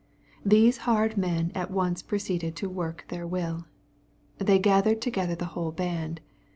— Thes< hard men at once proceeded to work their will Thej " gathered together the whole band."